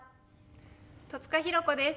戸塚寛子です。